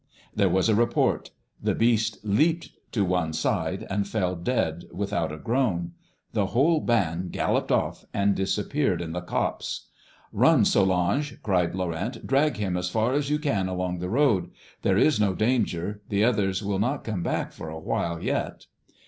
"There was a report; the beast leaped to one side and fell dead without a groan. The whole band galloped off and disappeared in the copse. "'Run, Solange!' cried Laurent; 'drag him as far as you can along the road. There is no danger; the others will not come back for a while yet.'